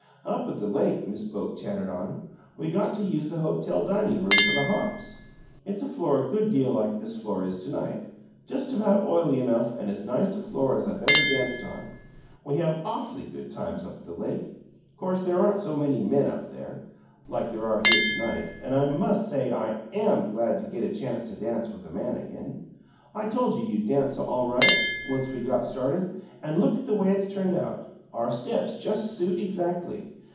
"Up at the lake," Miss Boke chattered on, "we got to use the hotel dining room for the hops. It's a floor a good deal like this floor is to night just about oily enough and as nice a floor as ever I danced on. We have awf'ly good times up at the lake. 'Course there aren't so many Men up there, like there are here to night, and I MUST say I AM glad to get a chance to dance with a Man again! I told you you'd dance all right, once we got started, and look at the way it's turned out: our steps just suit exactly!